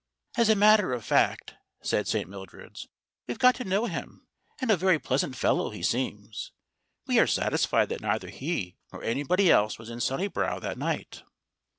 "As a matter of fact," said St. Mildred's, "we've got to know him, and a very pleasant fellow he seems. We are satisfied that neither he nor anybody else was in Sunnibrow that night."